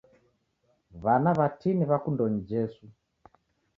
W'ana w'atini w'akundo ni Jesu